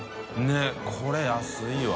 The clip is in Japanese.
佑これ安いわ。